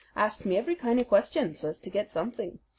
Asked me every kind of question so as to get something.